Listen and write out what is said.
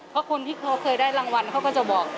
เพราะคนที่เขาเคยได้รางวัลเขาก็จะบอก